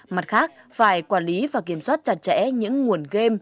mặt khác phải quản lý và kiểm soát chặt chẽ những nguồn game